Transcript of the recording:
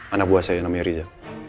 anak buah saya namanya riza